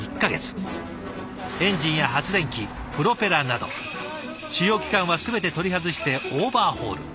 エンジンや発電機プロペラなど主要機関は全て取り外してオーバーホール。